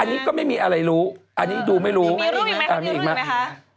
อันนี้ก็ไม่มีอะไรรู้อันนี้ดูไม่รู้อันนี้อีกไหม